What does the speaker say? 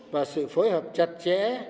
và sự phối hợp chặt chẽ